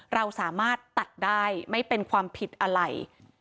เราสามารถตัดได้ไม่เป็นความผิดอะไร